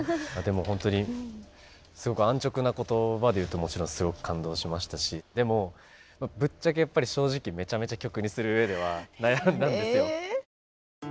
本当にすごく安直な言葉で言うともちろんすごく感動しましたしでもぶっちゃけ正直めちゃめちゃ曲にするうえでは悩んだんですよ。